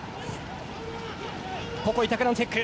板倉のチェック